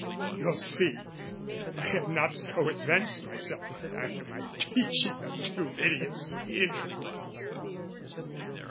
(You'll see, I have not so advanced myself, After my teaching the two idiots here!)